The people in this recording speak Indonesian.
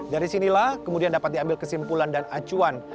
dari sinilah kemudian dapat diambil kesimpulan dan acuan